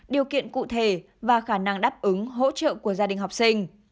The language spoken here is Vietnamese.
điều kiện cụ thể và khả năng đáp ứng hỗ trợ của gia đình học sinh